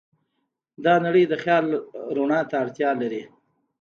دا نړۍ د خیال رڼا ته اړتیا لري.